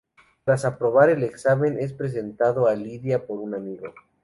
Tras aprobar el examen, es presentado a Lida por un amigo.